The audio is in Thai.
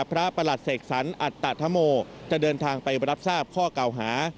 ประหลัดเสกสรรอัตธโมจะเดินทางไปรับทราบข้อเก่าหา